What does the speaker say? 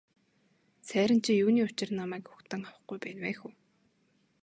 Сайран чи юуны учир намайг угтан авахгүй байна вэ хө.